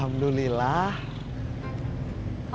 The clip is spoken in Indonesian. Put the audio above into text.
mau ditip apa